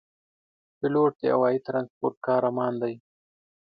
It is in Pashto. پیلوټ د هوايي ترانسپورت قهرمان دی.